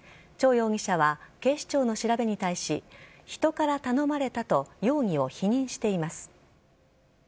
チョウ容疑者は警視庁の調べに対し人から頼まれたと容疑を否認しています。